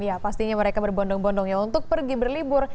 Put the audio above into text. ya pastinya mereka berbondong bondong ya untuk pergi berlibur